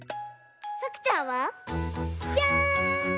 さくちゃんは？じゃん！